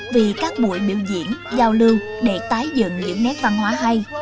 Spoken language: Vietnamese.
vì các buổi biểu diễn giao lưu để tái dựng những nét văn hóa hay